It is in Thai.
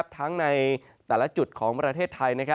ในแต่ละจุดของประเทศไทย